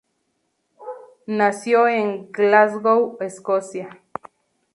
Nació en Glasgow, Escocia.